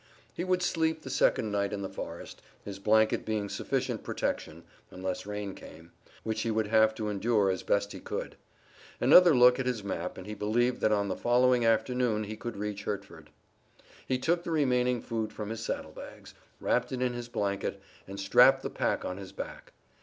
He would sleep the second night in the forest, his blanket being sufficient protection, unless rain came, which he would have to endure as best he could. Another look at his map and he believed that on the following afternoon he could reach Hertford. He took the remaining food from his saddlebags, wrapped it in his blanket, and strapped the pack on his back.